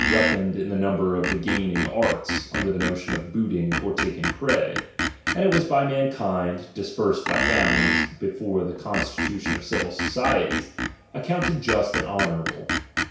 reckoned iu the number of the gaining arts, under '"' the notion of booting or taking prey ; and it was gimiun bmb are by mankind, dispersed by families before the con '^^'" '^h stitntiou of civil societies, accounted just and ^H honourable.